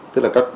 tức là các